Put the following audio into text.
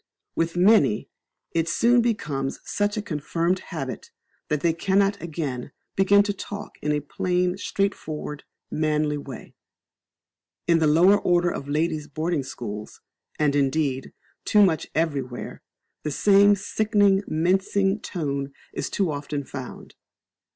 With many, it soon becomes such a confirmed habit that they cannot again be taught to talk in a plain, straightforward, manly way. In the lower order of ladies' boarding schools, and indeed, too much everywhere, the same sickening, mincing tone is too often found.